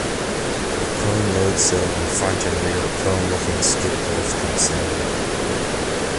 A chrome loadsill and front and rear chrome looking skid plates come standard.